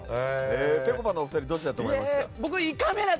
ぺこぱのお二人どっちだと思いますか？